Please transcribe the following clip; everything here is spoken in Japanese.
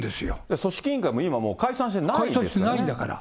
組織委員会も今、解散してないですからね。